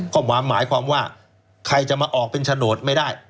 ก็หมายความว่าใครจะมาออกเป็นโฉนดไม่ได้